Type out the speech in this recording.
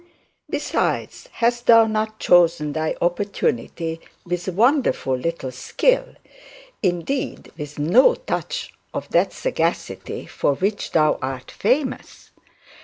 Besides, hast thou not chosen thy opportunity with wonderful little skill, indeed with no touch of sagacity for which thou art famous?